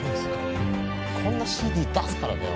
こんなＣＤ出すからだよ